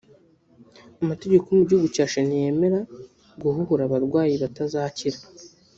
Amategeko yo mu gihugu cya Chile ntiyemera guhuhura abarwayi batazakira